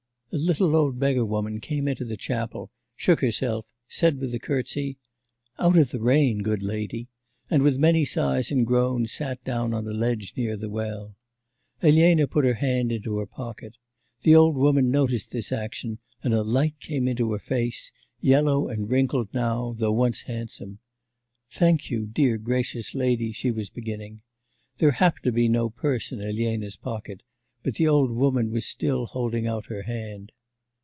A little old beggar woman came into the chapel, shook herself, said with a curtsy: 'Out of the rain, good lady,' and with many sighs and groans sat down on a ledge near the well. Elena put her hand into her pocket; the old woman noticed this action and a light came into her face, yellow and wrinkled now, though once handsome. 'Thank you, dear gracious lady,' she was beginning. There happened to be no purse in Elena's pocket, but the old woman was still holding out her hand.